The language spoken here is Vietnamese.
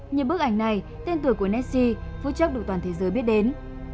như bức ảnh này tên tuổi của nessie phối chấp được toàn thế giới biết đến